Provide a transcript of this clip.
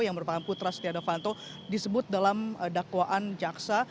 yang merupakan putra stiano fanto disebut dalam dakwaan jaksa